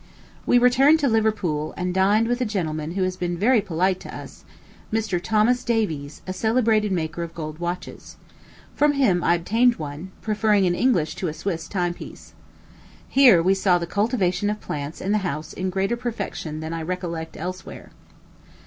We returned to Liverpool, and dined with a gentleman who has been very polite to us Mr. Thomas Davies, a celebrated maker of gold watches. From him I obtained one, preferring an English to a Swiss timepiece. Here we saw the cultivation of plants in the house in greater perfection than I recollect elsewhere.